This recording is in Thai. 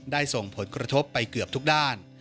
ส่งผลกระทบไปเกือบทุกด้าน